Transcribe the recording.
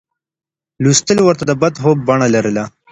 لوستل ورته د بد خوب بڼه لرله.